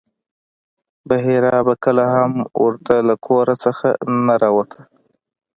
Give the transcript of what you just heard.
بحیرا به کله هم ورته له کوره نه راوتلو.